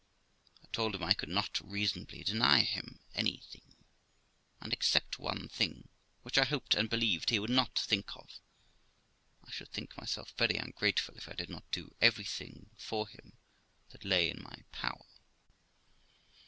I told him I could not reasonably deny him anything; and, except one thing, which I hoped and believed he would not think of, I should think myself very ungrateful if I did not do everything for him that lay in my power.